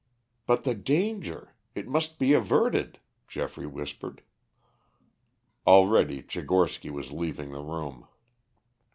"But the danger! It must be averted," Geoffrey whispered. Already Tchigorsky was leaving the room.